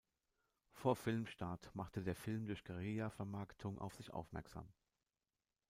Vor Filmstart machte der Film durch Guerilla-Vermarktung auf sich aufmerksam.